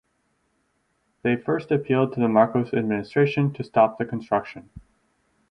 They first appealed to the Marcos administration to stop the construction.